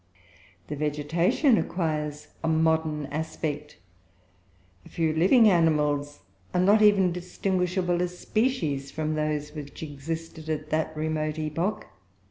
The vegetation acquires a modern aspect. A few living animals are not even distinguishable as species, from those which existed at that remote epoch.